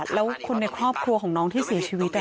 แล้วคนในครอบครัวของน้องที่เสียชีวิต